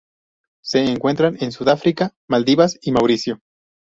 Se encuentran en Sudáfrica, Maldivas y Mauricio.